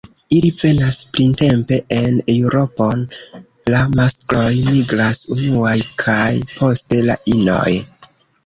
Ili venas printempe en Eŭropon; la maskloj migras unuaj kaj poste la inoj.